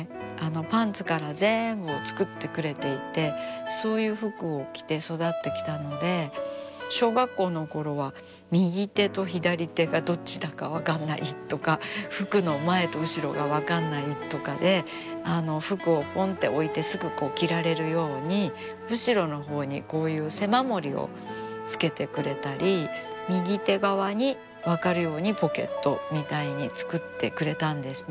パンツから全部を作ってくれていてそういう服を着て育ってきたので小学校のころは右手と左手がどっちだか分かんないとか服の前と後ろが分かんないとかで服をぽんって置いてすぐ着られるように後ろのほうにこういう背守りをつけてくれたり右手側に分かるようにポケットみたいに作ってくれたんですね。